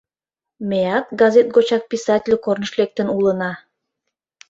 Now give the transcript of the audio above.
Меат газет гочак писатель корныш лектын улына.